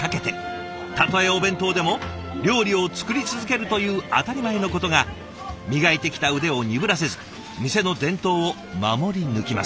たとえお弁当でも料理を作り続けるという当たり前のことが磨いてきた腕を鈍らせず店の伝統を守り抜きます。